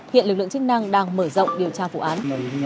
hiện lực lượng chức năng đang mở rộng điều tra vụ án